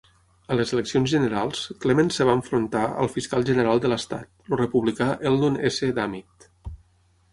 A les eleccions generals, Clements es va enfrontar al fiscal general de l'estat, el republicà Eldon S. Dummit.